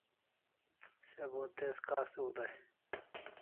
Se bo tez kasiu dai